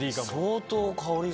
相当香りが。